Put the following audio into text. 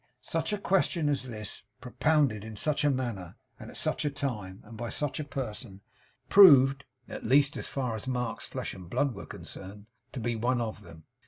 Such a question as this, propounded in such a manner, at such a time, and by such a person, proved (at least, as far as, Mark's flesh and blood were concerned) to be one of them.